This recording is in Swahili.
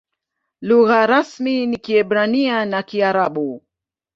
Lugha rasmi ni Kiebrania na Kiarabu.